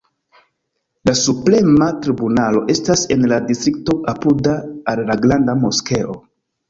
La Suprema Tribunalo estas en la distrikto apuda al la Granda Moskeo.